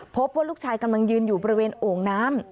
พบว่าลูกชายกำลังยืนอยู่บริเวณโอ่งน้ำ